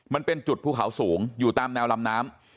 มันเป็นจุดภูเขาสูงอยู่ตามแนวลำน้ำ